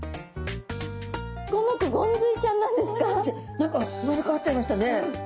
何か生まれ変わっちゃいましたね。